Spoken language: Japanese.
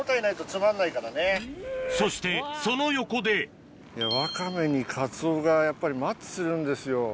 そしてその横でワカメにカツオがやっぱりマッチするんですよ。